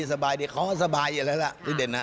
สบายดีเขาอ่อนอยู่แล้วละที่เด่นน้ำ